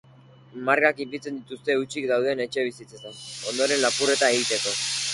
Markak ipintzen dituzte hutsik dauden etxebizitzetan, ondoren lapurreta egiteko.